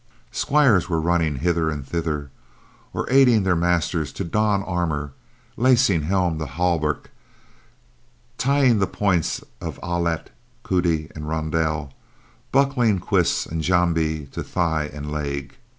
Squires were running hither and thither, or aiding their masters to don armor, lacing helm to hauberk, tying the points of ailette, coude, and rondel; buckling cuisse and jambe to thigh and leg.